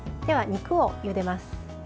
では、肉をゆでます。